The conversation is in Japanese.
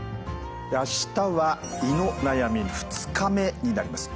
明日は「胃の悩み」２日目になります。